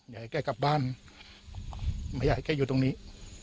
อยากให้แกกลับบ้านไม่อยากให้แกอยู่ตรงนี้